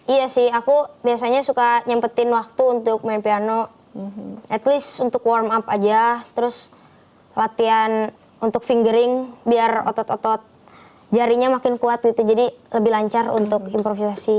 iya sih aku biasanya suka nyempetin waktu untuk main piano at least untuk warm up aja terus latihan untuk fingering biar otot otot jarinya makin kuat gitu jadi lebih lancar untuk improvisasi